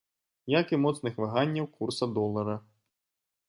Як і моцных ваганняў курса долара.